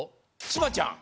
しまちゃん。